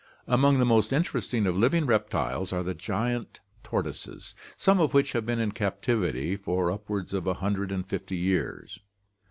Among the most interesting of living reptiles are the giant tortoises, some of which have been in captivity for upwards of a hundred and fifty years.